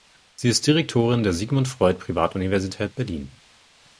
Sie ist Direktorin der Sigmund Freud Privatuniversität Berlin.